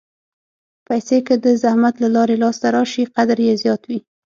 پېسې که د زحمت له لارې لاسته راشي، قدر یې زیات وي.